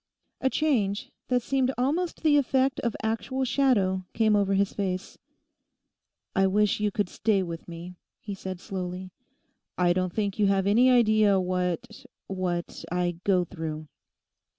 A change, that seemed almost the effect of actual shadow, came over his face. 'I wish you could stay with me,' he said slowly. 'I don't think you have any idea what—what I go through.